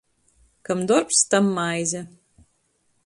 Kam dorbs, tam maize.